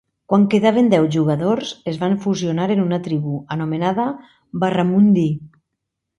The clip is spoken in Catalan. Quan quedaven deu jugadors, es van fusionar en una tribu, anomenada Barramundi.